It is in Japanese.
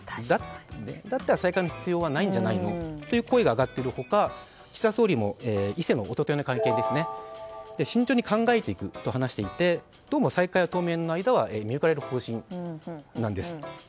だったら再開の必要はないんじゃないの？という声が上がっているほか岸田総理も一昨日の会見で慎重に考えていくと話していてどうも、再開は当面の間見送られる方針なんです。